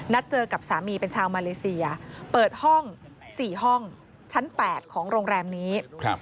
เจอกับสามีเป็นชาวมาเลเซียเปิดห้อง๔ห้องชั้น๘ของโรงแรมนี้